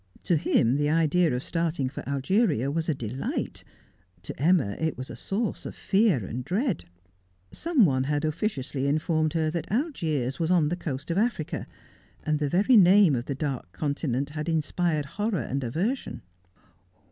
To him the idea of start ing for Algeria was delight, to Emma it was a source of fear and dread. Some one had officiously informed her that Algiers was on the coast of Africa, and the very name of the dark continent had inspired horror and aversion.